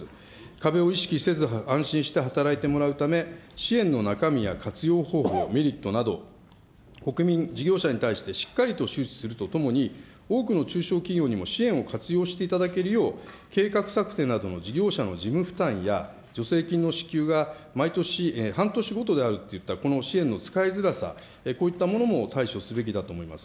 壁を意識せず安心して働いてもらうため、支援の中身や活用方法、メリットなど、国民、事業者に対してしっかりと周知するとともに、多くの中小企業にも支援を活用していただけるよう、計画策定などの事業者の事務負担や助成金の支給が毎年、半年ごとであるといったこの支援の使いづらさ、こういったものも対処すべきだと思います。